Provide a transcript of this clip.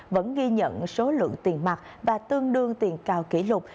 vẫn ghi nhận số lượng tiền mặt và tương đương tiền cao kỷ lục